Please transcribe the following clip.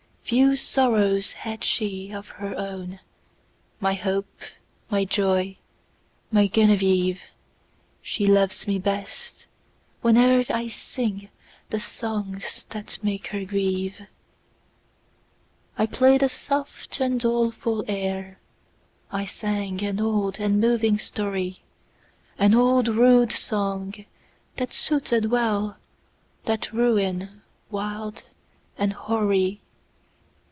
Few sorrows hath she of her own, My hope! my joy! my Genevieve! She loves me best, whene'er I singThe songs that make her grieve.I play'd a soft and doleful air,I sang an old and moving story—An old rude song, that suited wellThat ruin wild and hoary.